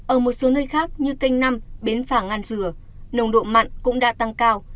ở một số nơi khác như canh năm bến phả ngan dừa nồng độ mặn cũng đã tăng cao